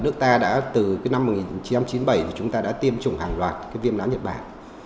nước ta đã từ năm một nghìn chín trăm chín mươi bảy thì chúng ta đã tiêm chủng hàng loạt viêm não nhật bản